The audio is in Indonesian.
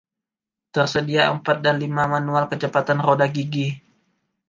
Tersedia empat dan lima manual kecepatan roda gigi.